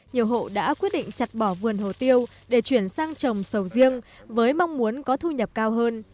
nhiều hộ đã quyết định chặt bỏ vườn hồ tiêu để chuyển sang trồng sầu riêng với mong muốn có thu nhập cao hơn